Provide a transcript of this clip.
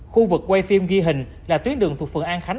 khu vực quay phim ghi hình là tuyến đường thuộc phường an khánh